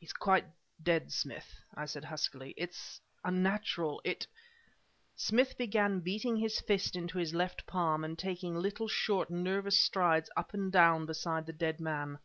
"He's quite dead, Smith," I said huskily. "It's unnatural it " Smith began beating his fist into his left palm and taking little, short, nervous strides up and down beside the dead man.